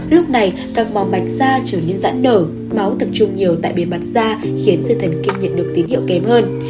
lúc này các mỏm bạch da trở nên dãn nở máu tầm trung nhiều tại bề mặt da khiến dư thần kiếm nhận được tín hiệu kém hơn